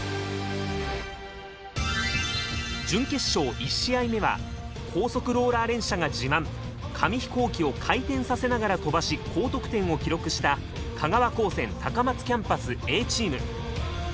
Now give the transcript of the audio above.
準決勝１試合目は高速ローラー連射が自慢紙飛行機を回転させながら飛ばし高得点を記録した香川高専高松キャンパスＡチーム。